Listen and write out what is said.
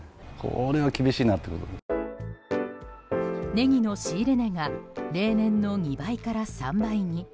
ネギの仕入れ値が例年の２倍から３倍に。